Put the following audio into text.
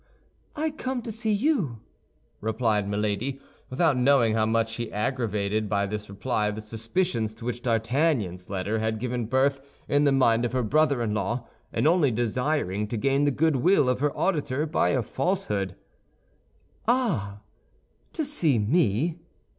"I come to see you," replied Milady, without knowing how much she aggravated by this reply the suspicions to which D'Artagnan's letter had given birth in the mind of her brother in law, and only desiring to gain the good will of her auditor by a falsehood. "Ah, to see me?"